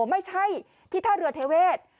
ไม่ใช่ที่ท่าเรือเทเวศ